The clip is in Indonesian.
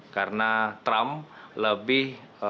karena trump lebih